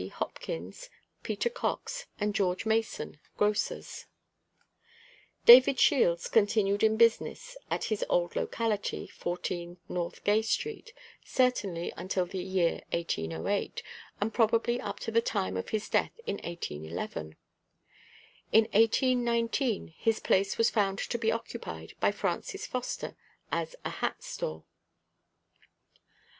Hopkins, Peter Cox and George Mason, Grocers. DAVID SHIELDS continued in business at his old locality, 14 North Gay street, certainly until the year 1808, and probably up to the time of his death in 1811. In 1819 his place is found to be occupied by Francis Foster as a hat store.